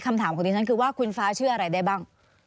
คำถามของดิฉันคือว่าคุณฟ้าเชื่ออะไรได้บ้าง